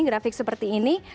grafik seperti ini